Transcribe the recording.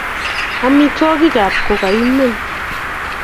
amitwogikap kokaimen